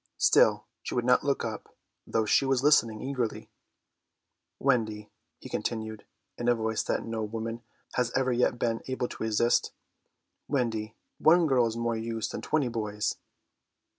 Still she would not look up, though she was listening eagerly. "Wendy," he continued, in a voice that no woman has ever yet been able to resist, "Wendy, one girl is more use than twenty boys."